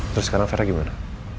terus sekarang vera gimana